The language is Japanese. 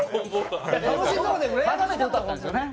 初めて歌ったんですよね？